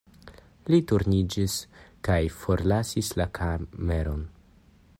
Li turniĝis kaj forlasis la kameron.